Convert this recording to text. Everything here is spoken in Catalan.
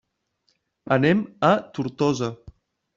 Anem a Tortosa.